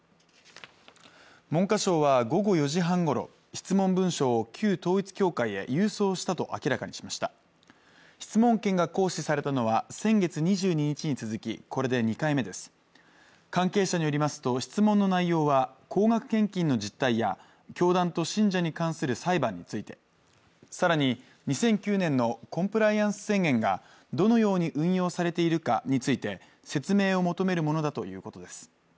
文科省は午後４時半ごろ質問文書を旧統一教会へ郵送したと明らかにしました質問権が行使されたのは先月２２日に続きこれで２回目です関係者によりますと質問の内容は高額献金の実態や教団と信者に関する裁判についてさらに２００９年のコンプライアンス宣言がどのように運用されているかについて説明を求めるものだということです